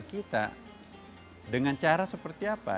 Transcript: dan kita dengan cara seperti apa